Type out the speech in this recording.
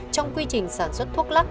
trong quy trình sản xuất thuốc lắc